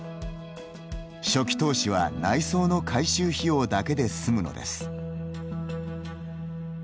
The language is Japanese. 初期投資は内装の改修費用だけで済むのです。